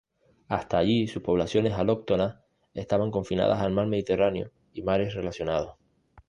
Hasta allí sus poblaciones alóctonas estaban confinadas al mar Mediterráneo y mares relacionados.